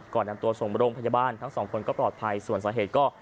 ก่อนนำตัวส่งโรงพยาบาลทั้งสองคนก็ปลอดภัยส่วนสาเหตุก็